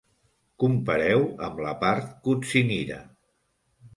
Compareu amb la part kutsinhira.